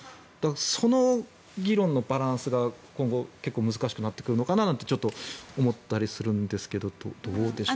その議論のバランスが今後難しくなってくるのかなってちょっと思ったりするんですけどどうでしょう。